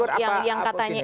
tukang cukur apa